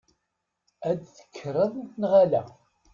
Ad tekkreḍ neɣ ala?